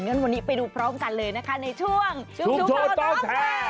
อย่างนั้นวันนี้ไปดูพร้อมกันเลยนะคะในช่วงชุมโชตต้องแทรก